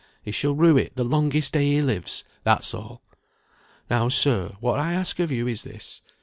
He shall rue it the longest day he lives, that's all. Now, sir, what I ask of you is this.